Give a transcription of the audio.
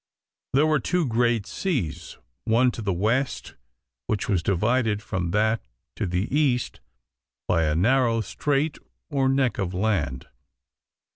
there were two great seas, one to the west, which was divided from that to the east by a narrow strait or neck of land.